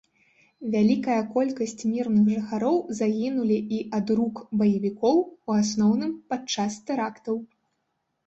Вялікая колькасць мірных жыхароў загінулі і ад рук баевікоў, у асноўным падчас тэрактаў.